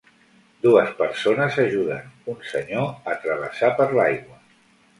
Dues persones ajuden un senyor a travessar per l'aigua.